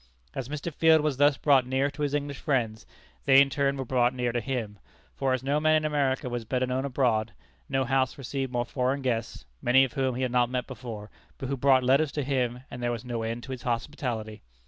As Mr. Field was thus brought near to his English friends, they in turn were brought near to him, for as no man in America was better known abroad, no house received more foreign guests, many of whom he had not met before, but who brought letters to him, and there was no end to his hospitality.